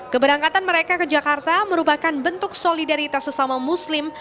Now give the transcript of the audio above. keberangkatan mereka ke jakarta merupakan bentuk solidaritas sesama muslim